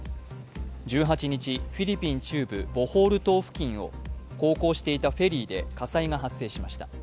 １８日、フィリピン中部ボホール島付近を、航行していたフェリーで火災が発生しました。